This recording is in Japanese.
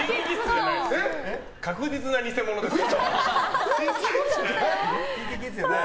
確実な偽者ですよ。